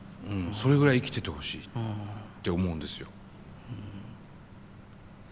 それぐらい生きててほしいって思うんですよ。